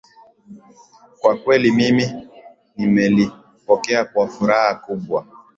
kwa kweli mimi nimelipokea kwa furaha kubwa